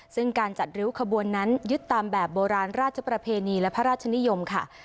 ซึ่งการจัดริ้วขบวนนั้นยึดตามแบบโบราณราชประเพณีและพระราชนิยมค่ะ